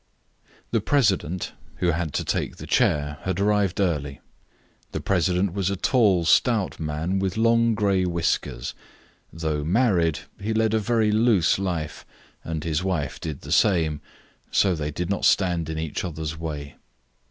The president, who had to take the chair, had arrived early. The president was a tall, stout man, with long grey whiskers. Though married, he led a very loose life, and his wife did the same, so they did not stand in each other's way.